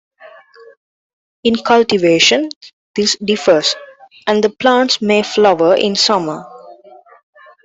In cultivation this differs, and the plants may flower in summer.